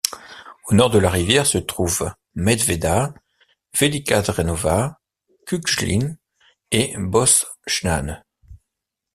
Au nord de la rivière se trouvent Medveđa, Velika Drenova, Kukljin et Bošnjane.